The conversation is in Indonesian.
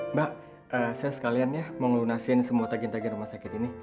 mbak saya sekalian ya mau ngelunasin semua tagian tagian rumah sakit ini